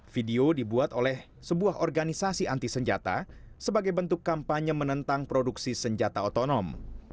video dibuat oleh sebuah organisasi anti senjata sebagai bentuk kampanye menentang produksi senjata otonom